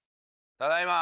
ただいま。